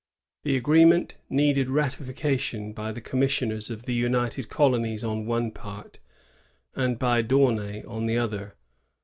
The agreement needed rati fication by the commissioners of the United Colonies on one part, and by D'Aunay on the other.